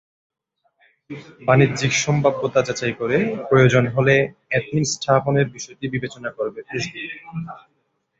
বাণিজ্যিক সম্ভাব্যতা যাচাই করে প্রয়োজন হলে অ্যাডমিন স্থাপনের বিষয়টি বিবেচনা করবে ফেসবুক।